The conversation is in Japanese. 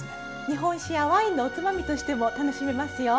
日本酒やワインのおつまみとしても楽しめますよ。